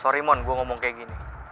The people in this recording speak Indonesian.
saya mengatakan seperti ini